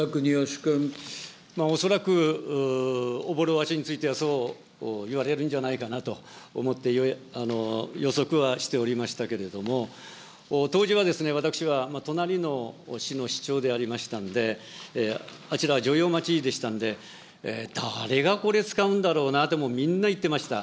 恐らく朧大橋についてはそう言われるんじゃないかなと思って、予測はしておりましたけれども、当時は私は隣の市の市長でありましたんで、あちらは上陽町でしたんで、誰がこれ使うんだろうなとみんな言ってました。